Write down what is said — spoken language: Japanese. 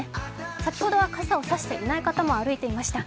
先ほどは傘を差していない方も歩いていました。